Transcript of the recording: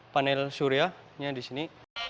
panel surya yang di sini